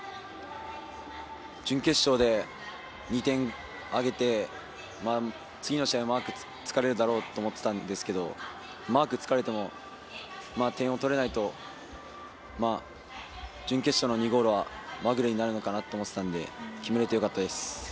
準決勝で２点挙げて、次の試合、マークつかれるだろうと思っていたんですけど、マークつかれても、点を取れないと、準決勝の２ゴールは、まぐれになるのかなと思っていたので決めれてよかったです。